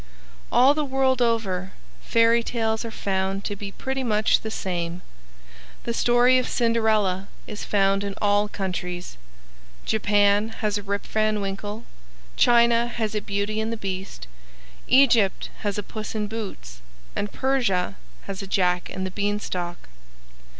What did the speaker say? All the world over, fairy tales are found to be pretty much the same. The story of Cinderella is found in all countries. Japan has a Rip Van Winkle, China has a Beauty and the Beast, Egypt has a Puss in Boots, and Persia has a Jack and the Beanstalk.